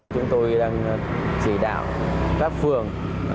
chúng tôi đang chỉ đạo các phương